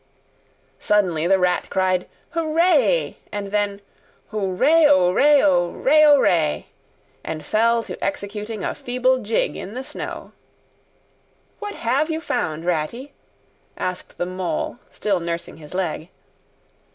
Suddenly the Rat cried "Hooray!" and then "Hooray oo ray oo ray oo ray!" and fell to executing a feeble jig in the snow. "What have you found, Ratty?" asked the Mole, still nursing his leg.